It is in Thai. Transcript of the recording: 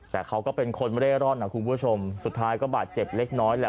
แต่เขาก็เป็นคนไม่ได้ร่อนนะคุณผู้ชมสุดท้ายก็บาดเจ็บเล็กน้อยแหละ